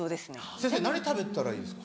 先生何食べたらいいんですか？